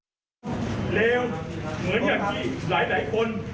ไม่มีอะไรเป็นไปเหมือนกับทีวิตผม